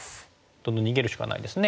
どんどん逃げるしかないですね。